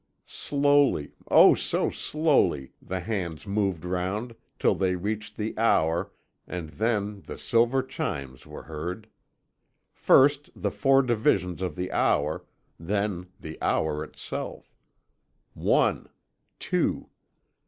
Slowly, oh, so slowly, the hands moved round till they reached the hour, and then the silver chimes were heard. First, the four divisions of the hour, then the hour itself. One, Two.